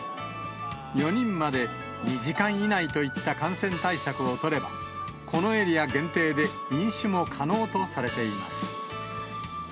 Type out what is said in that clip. ４人まで２時間以内といった感染対策を取れば、このエリア限定で、飲酒も可能とされています。